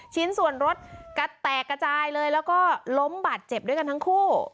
ชิ้นส่วนรถกระแตกกระจายเลยแล้วก็ล้มบาดเจ็บด้วยกันทั้งคู่